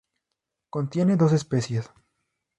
Contiene dos especies.